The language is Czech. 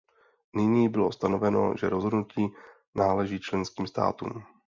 Nyní bylo stanoveno, že rozhodnutí náleží členským státům.